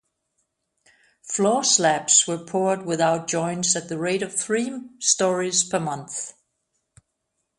Floor slabs were poured without joints at the rate of three stories per month.